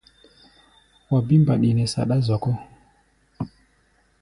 Wa bí mbaɗi nɛ saɗá zɔkɔ́.